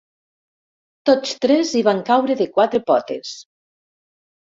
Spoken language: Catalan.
Tots tres hi van caure de quatre potes.